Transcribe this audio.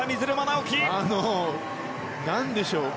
あの、何でしょう。